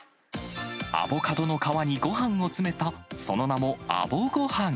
アボカドの皮にごはんを詰めた、その名も、アボごはん。